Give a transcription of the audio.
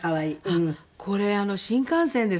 あっこれ新幹線ですね。